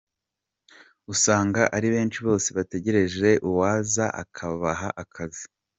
Usanga ari benshi bose bategreje uwaza akabaha akazi.